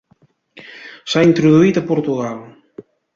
S'ha introduït a Portugal.